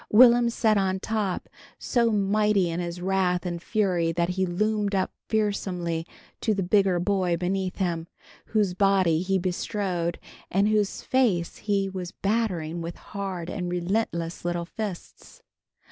Will'm sat on top, so mighty in his wrath and fury that he loomed up fearsomely to the bigger boy beneath him, whose body he bestrode and whose face he was battering with hard and relentless little fists.